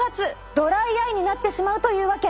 ドライアイになってしまうというわけ。